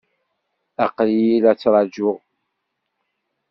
Aql-iyi la t-ttṛajuɣ.